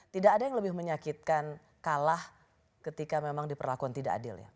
tidak ada yang lebih menyakitkan kalah ketika memang diperlakukan tidak adil ya